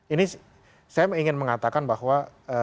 ini saya ingin mengatakan bahwa